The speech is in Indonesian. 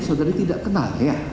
saudara tidak kenal ya